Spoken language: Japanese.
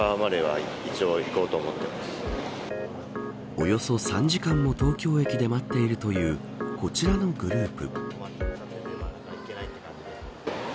およそ３時間も東京駅で待っているというこちらのグループ。